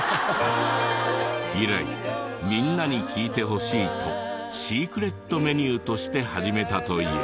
以来みんなに聴いてほしいとシークレットメニューとして始めたという。